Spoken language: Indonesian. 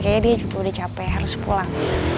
kayaknya dia juga udah capek harus pulang